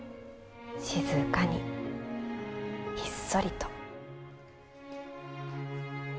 静かに、ひっそりと。